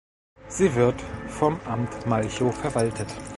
Sie wird vom Amt Malchow verwaltet.